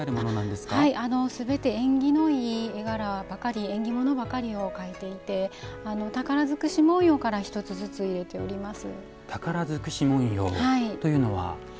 すべて演技のいい絵柄ばかり縁起物ばかりを描いていて「宝尽くし文様」から１つずつ、入れています。